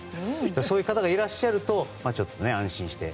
そういう方がいらっしゃると安心して。